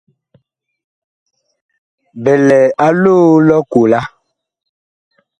Bi lɛ a loo lʼ ɔkola.